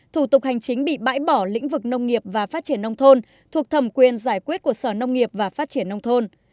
thủ tục hành chính bị bãi bỏ lĩnh vực nông nghiệp và phát triển nông thôn thuộc thẩm quyền giải quyết của sở nông nghiệp và phát triển nông thôn